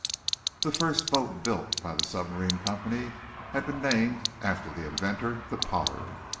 The first boat built by the submarine company had been named, after the inventor, the "Pollard."